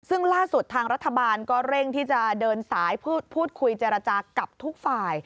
ซึ่งล่าสุดทางรัฐบาลก็เร่งที่จะเดินสายพูดคุยเจรจากับทุกฝ่าย